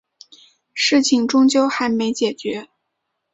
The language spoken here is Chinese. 事情终究还没解决